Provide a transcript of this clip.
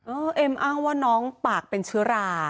เอ็มอ้างว่าน้องปากเป็นเชื้อรา